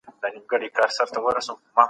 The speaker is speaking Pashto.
موږ په کلي کښي بازۍ کوو.